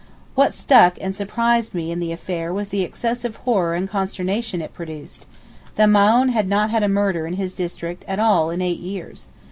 What struck and surprised me in the affair was the excessive horror and consternation it produced; the Maōhn had not had a murder in his district at all in eight years.